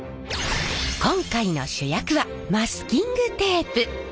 今回の主役はマスキングテープ。